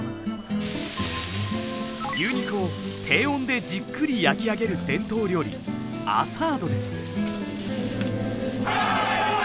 牛肉を低温でじっくり焼き上げる伝統料理アサードです。